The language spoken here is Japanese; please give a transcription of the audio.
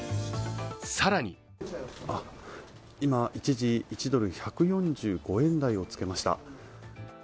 更に今、一時１ドル＝１４５円台をつけました。